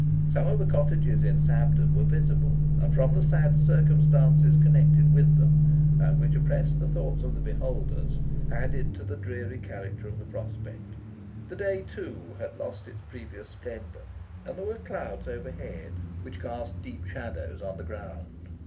Some of the cottages in Sabden were visible, and, from the sad circumstances connected with them, and which oppressed the thoughts of the beholders, added to the dreary character of the prospect. The day, too, had lost its previous splendour, and there were clouds overhead which cast deep shadows on the ground.